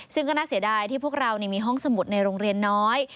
ซึ่งก็น่าเสียดายที่พวกเรามีห้องสมุดในโรงเรียนน้อย